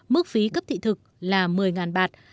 mức phí cấp thị thực là một mươi bạt